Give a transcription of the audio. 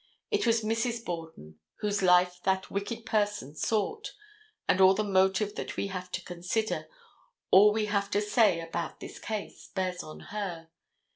It was Mrs. Borden whose life that wicked person sought, and all the motive that we have to consider, all we have to say about this case, bears on her.